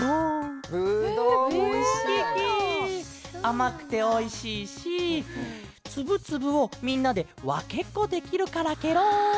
あまくておいしいしつぶつぶをみんなでわけっこできるからケロ！